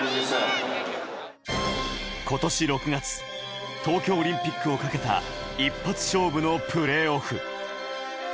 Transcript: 今年６月、東京オリンピックをかけた一発勝負のプレーオフ。